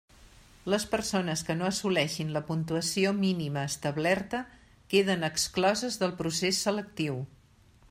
Les persones que no assoleixin la puntuació mínima establerta queden excloses del procés selectiu.